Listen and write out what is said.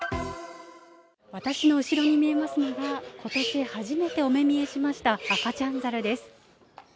私の後ろに見えますのが、ことし初めてお目見えしました赤ちゃん猿です。